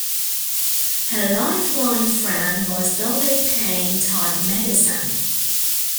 Her lifelong friend was Dolley Payne Todd Madison.